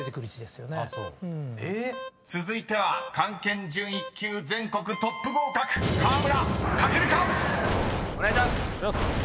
［続いては漢検準１級全国トップ合格河村書けるか⁉］お願いします。